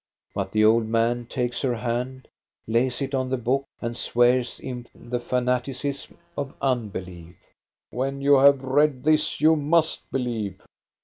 But the old man takes her hand, lays it on the book, and swears in the fanaticism of unbelief " When you have read this, you must believe."